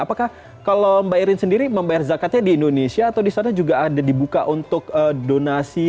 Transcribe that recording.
apakah kalau mbak irin sendiri membayar zakatnya di indonesia atau di sana juga ada dibuka untuk donasi